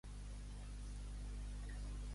Busqueu la cançó Poomadhathe Pennu.